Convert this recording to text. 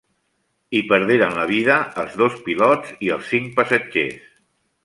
Hi perderen la vida els dos pilots i els cinc passatgers.